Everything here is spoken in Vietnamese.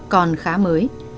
còn khá mới